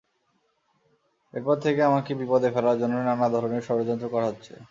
এরপর থেকে আমাকে বিপদে ফেলার জন্য নানা ধরনের ষড়যন্ত্র করা হচ্ছে।